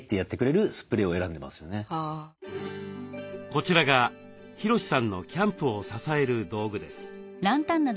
こちらがヒロシさんのキャンプを支える道具です。